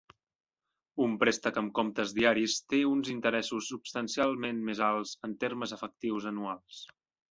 Un préstec amb comptes diaris té uns interessos substancialment més alts en termes efectius anuals.